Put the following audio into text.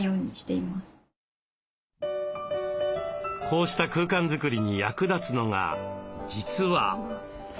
こうした空間作りに役立つのが実は。